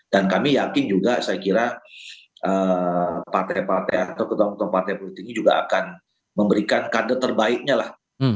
dan kami yakin juga saya kira partai partai atau ketua bintang partai politik ini juga akan memberikan kandang terbaiknya lah